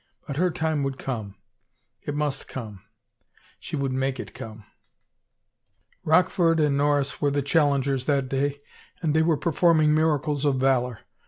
But her time would come ... it must come ... she would make it come! 319 THE FAVOR OF KINGS Rochford and Norris were the challengers that day and they were performing miracles of valor.